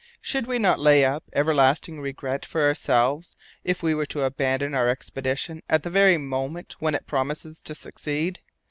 Should we not lay up everlasting regret for ourselves if we were to abandon our expedition at the very moment when it promises to succeed?